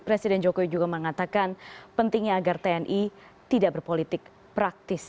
presiden jokowi juga mengatakan pentingnya agar tni tidak berpolitik praktis